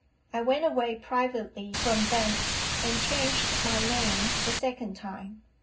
I went away privately from thence, and changed my name the second time.